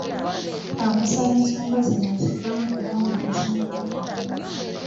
Amusaba ensonga zino aziveemu kubanga tezimukwatako.